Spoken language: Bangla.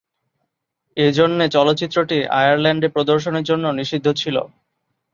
এজন্যে চলচ্চিত্রটি আয়ারল্যান্ডে প্রদর্শনের জন্য নিষিদ্ধ ছিল।